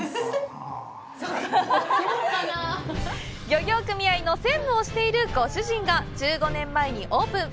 漁業組合の専務をしているご主人が１５年前にオープン。